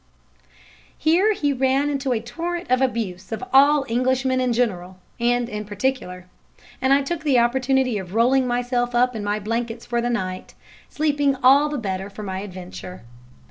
"Here he ran into a torrent of abuse of all Englishmen in general, and in particular. And I took the opportunity of rolling myself up in my blankets for the night, sleeping all the better for my adventure.